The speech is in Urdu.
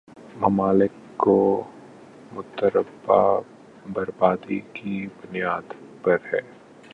ممالک کو مرتبہ برابری کی بنیاد پر ہے